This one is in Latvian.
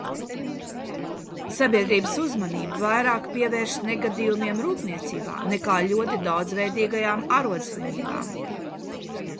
Sabiedrības uzmanība vairāk pievēršas negadījumiem rūpniecībā nekā ļoti daudzveidīgajām arodslimībām.